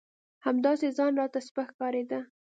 همداسې ځان راته سپک ښکارېده.